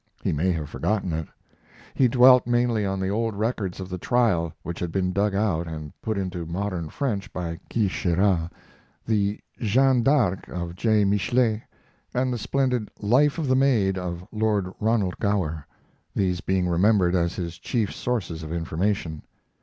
He may have forgotten it. He dwelt mainly on the old records of the trial which had been dug out and put into modern French by Quicherat; the 'Jeanne d'Arc' of J. Michelet, and the splendid 'Life of the Maid' of Lord Ronald Gower, these being remembered as his chief sources of information.